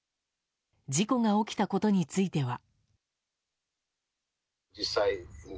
事故が起きたことについては。